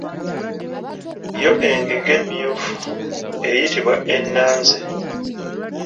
Yo engege emmyufu eyitibwa ennanze.